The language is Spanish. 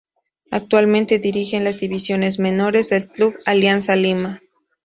Actualmente dirige a las divisiones menores del Club Alianza Lima